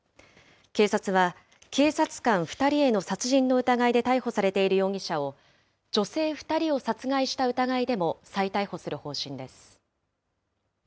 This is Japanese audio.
警察は警察官２人への殺人の疑いで逮捕されている容疑者を、女性２人を殺害した疑いでも再逮捕する方針です。